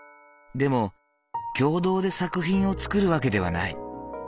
でも共同で作品を作る訳ではない。